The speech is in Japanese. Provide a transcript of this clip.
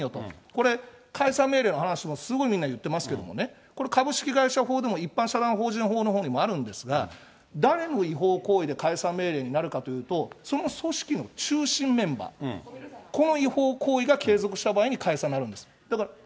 これ、解散命令の話もすごいみんな言ってますけどね、これ、株式会社法でも一般社団法人法のほうにもあるんですが、誰の違法行為で解散命令になるかというと、その組織の中心メンバー、このいほうこういがけいぞくしたばあいに解散になるんです。